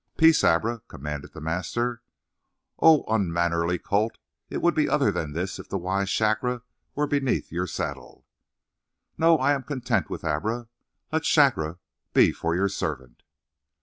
"Peace, Abra!" commanded the master. "Oh, unmannerly colt! It would be other than this if the wise Shakra were beneath your saddle." "No, I am content with Abra. Let Shakra be for your servant."